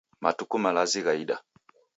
Matuku malazi ghaida